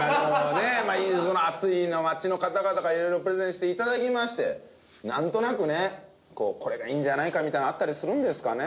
まあ暑い街の方々が色々プレゼンして頂きましてなんとなくねこれがいいんじゃないかみたいなのあったりするんですかね？